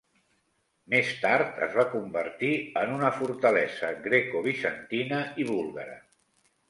Més tard es va convertir en una fortalesa grecobizantina i búlgara.